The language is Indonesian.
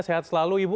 sehat selalu ibu